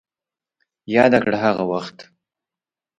ياده کړه هغه وخت